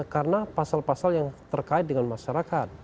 karena pasal pasal yang terkait dengan masyarakat